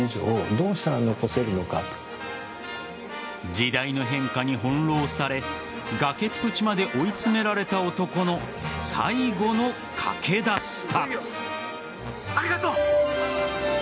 時代の変化に翻弄され崖っぷちまで追い詰められた男の最後の賭けだった。